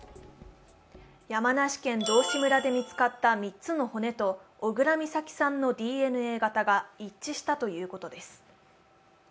山梨県道志村で見つかった３つの骨と小倉美咲さんのＤＮＡ型が一致したということです。